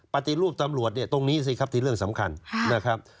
ปฏิรูปตำรวจเนี่ยตรงนี้สิครับที่เรื่องสำคัญนะครับ